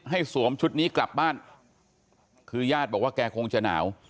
สวมชุดนี้กลับบ้านคือญาติบอกว่าแกคงจะหนาว